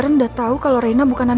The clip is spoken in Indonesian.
saya tahu kamu masih pemulihan